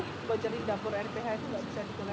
kalau cari dapur rph itu tidak bisa di toleransi